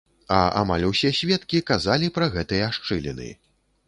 А амаль усе сведкі казалі пра гэтыя шчыліны.